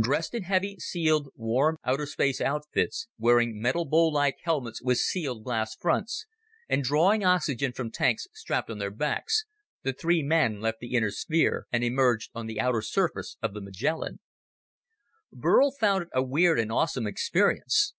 Dressed in heavy, sealed, warmed outer space outfits, wearing metal bowl like helmets with sealed glass fronts, and drawing oxygen from tanks strapped on their backs, the three men left the inner sphere and emerged on the outer surface of the Magellan. Burl found it a weird and awesome experience.